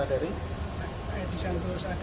agar dia kantornya disini